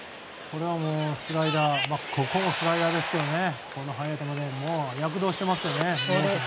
これはスライダーここもスライダーですけどこの速い球で躍動していますよね。